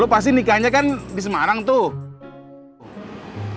pasti nikahnya kan di semarang tuh